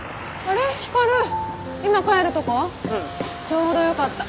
ちょうどよかった。